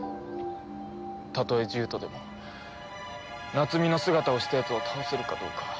たとえ獣人でも夏美の姿をしたやつを倒せるかどうか。